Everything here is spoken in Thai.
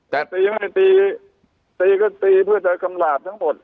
แต่ตีไม่ตีตีก็ตีเพื่อจะกำหลาบทั้งหมด